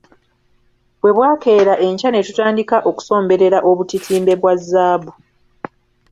Bwe bwakeera enkya ne tutandika okusomberera obutitimbe bwa zaabu.